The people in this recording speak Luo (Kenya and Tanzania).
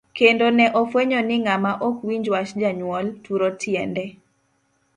Kendo ne ofwenyo ni ng'ama ok winj wach janyuol, turo tiende .